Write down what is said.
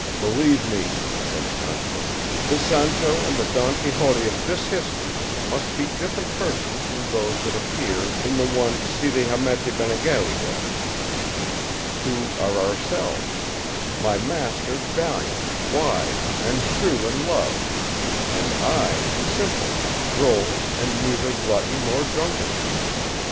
"Believe me," said Sancho, "the Sancho and the Don Quixote of this history must be different persons from those that appear in the one Cide Hamete Benengeli wrote, who are ourselves; my master valiant, wise, and true in love, and I simple, droll, and neither glutton nor drunkard."